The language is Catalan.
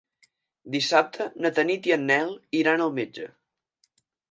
Dissabte na Tanit i en Nel iran al metge.